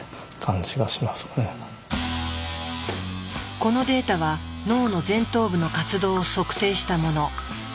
このデータは脳の前頭部の活動を測定したもの。